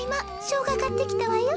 しょうがかってきたわよ。